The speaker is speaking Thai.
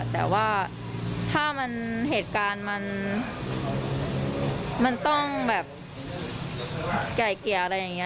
แต่ว่าถ้ามันเหตุการณ์มันต้องแบบไก่เกลี่ยอะไรอย่างนี้